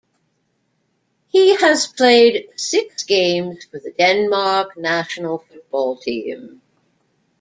He has played six games for the Denmark national football team.